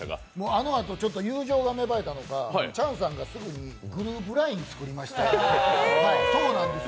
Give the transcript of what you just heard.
あのあと友情が芽生えたのかチャンさんがすぐにグループＬＩＮＥ作りまして。